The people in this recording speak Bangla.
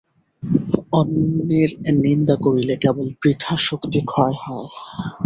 অন্যের নিন্দা করিলে কেবল বৃথা শক্তিক্ষয় হয়।